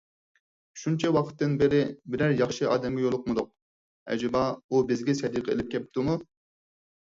شۇنچە ۋاقىتتىن بېرى بىرەر ياخشى ئادەمگە يولۇقمىدۇق، ئەجەبا ئۇ بىزگە سەدىقە ئېلىپ كەپتۇمۇ؟